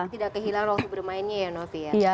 tidak kehilangan waktu bermainnya ya novi ya